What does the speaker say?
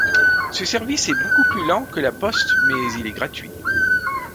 Ce service est beaucoup plus lent que la poste mais il est gratuit.